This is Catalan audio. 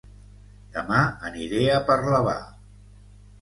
Dema aniré a Parlavà